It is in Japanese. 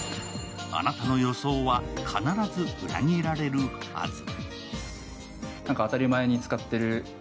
あなたの予想は、必ず裏切られるはず。